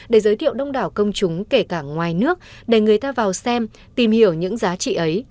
để giới thiệu đông đảo công chúng kể cả ngoài nước để người ta vào xem tìm hiểu những giá trị ấy